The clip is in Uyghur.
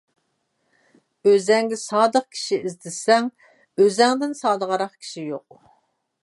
ئۆزۈڭگە سادىق كىشى ئىزدىسەڭ ئۆزۈڭدىن سادىقراق كىشى يوق.